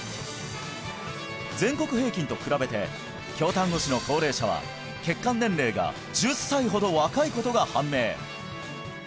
全国平均と比べて京丹後市の高齢者は血管年齢が１０歳ほど若いことが判明